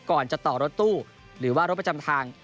ก่อนจะต่อรถตู้หรือว่ารถประจำทาง